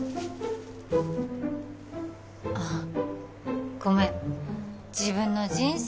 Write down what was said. あっごめん自分の人生